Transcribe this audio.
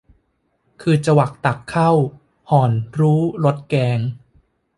คือจวักตักเข้า ห่อนรู้รสแกง